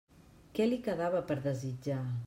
Què li quedava per desitjar?